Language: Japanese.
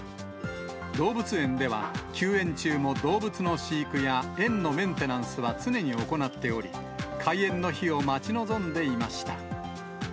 動物園では、休園中も動物の飼育や園のメンテナンスは常に行っており、開園の日を待ち望んでいました。